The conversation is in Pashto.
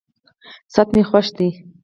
ساعت مي خوښ دی.